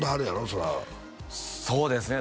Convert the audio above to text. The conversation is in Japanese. それはそうですね